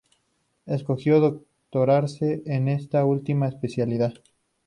Escogió doctorarse en esta última especialidad.